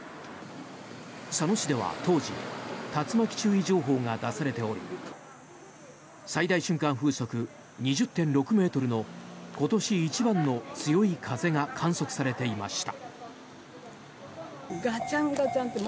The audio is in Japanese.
佐野市では当時竜巻注意情報が出されており最大瞬間風速２０．６ｍの今年一番の強い風が観測されていました。